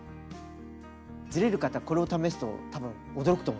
ずれる方これを試すと多分驚くと思います。